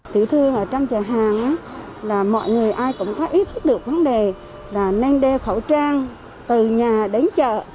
tiểu thương ở trong chợ hàng là mọi người ai cũng có ý thức được vấn đề là nên đeo khẩu trang từ nhà đến chợ